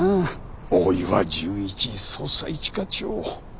大岩純一捜査一課長。